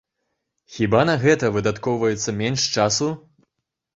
Хіба на гэта выдаткоўваецца менш часу?